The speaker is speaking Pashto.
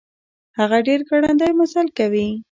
هغه ډير ګړندی مزل کوي.